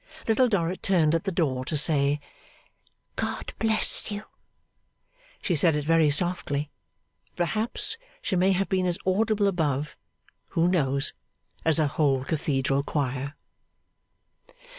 Little Dorrit turned at the door to say, 'God bless you!' She said it very softly, but perhaps she may have been as audible above who knows! as a whole cathedral choir.